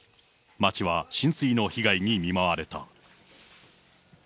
町は浸水の被害に見舞われた。